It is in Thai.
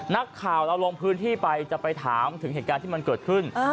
นักข่าวเราลงพื้นที่ไปจะไปถามถึงเหตุการณ์ที่มันเกิดขึ้น